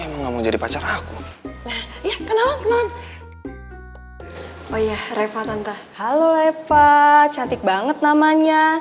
emang mau jadi pacar aku ya kenalan kenalan oh iya reva tante halo eva cantik banget namanya